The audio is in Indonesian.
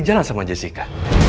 jalan sama jessica